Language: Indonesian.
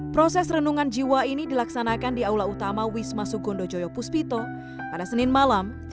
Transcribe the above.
proses rendungan jiwa ini dilaksanakan di aula utama wisma sugondo joyo puspito pada senin malam tiga belas agustus dua ribu delapan belas